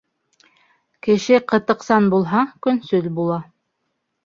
Кеше ҡытыҡсан булһа, көнсөл була.